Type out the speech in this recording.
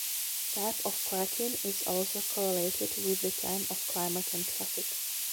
Type of cracking is also correlated with the type of climate and traffic.